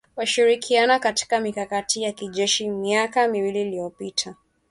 Walishirikiana katika mikakati ya kijeshi miaka miwili iliyopita